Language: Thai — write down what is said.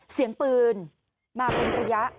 เสียงปืนมาเป็นระยะ